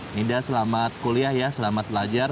nida selamat kuliah ya selamat belajar